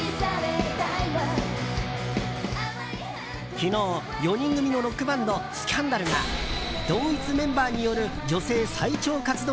昨日４人組のロックバンドスキャンダルが同一メンバーによる女性最長活動